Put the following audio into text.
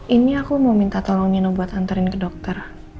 ini aku mau minta tolong nyono buat anterin ke dokter